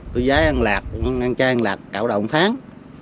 tôi dái ăn lạc ăn chai ăn lạc cạo đậu một tháng